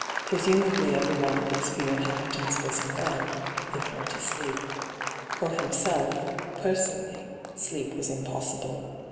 Presumably every one of its few inhabitants was in bed, if not asleep. For himself, personally, sleep was impossible.